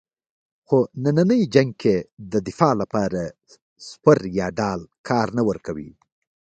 خو نننی جنګ کې د دفاع لپاره سپر یا ډال کار نه ورکوي.